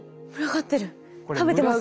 食べてますね。